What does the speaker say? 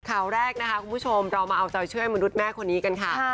ข่าวแรกนะคะคุณผู้ชมเรามาเอาใจช่วยมนุษย์แม่คนนี้กันค่ะ